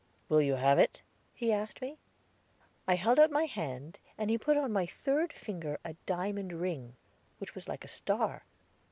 "Will you have it?" he asked me. I held out my hand, and he put on my third finger a diamond ring, which was like a star.